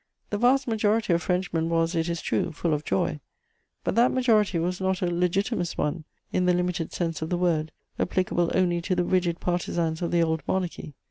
The vast majority of Frenchmen was, it is true, full of joy; but that majority was not a Legitimist one in the limited sense of the word, applicable only to the rigid partisans of the old Monarchy.